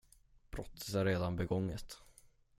Brottet är redan begånget.